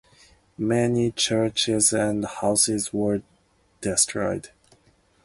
Many churches and houses were destroyed.